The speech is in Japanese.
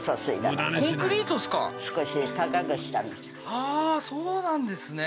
はあーそうなんですね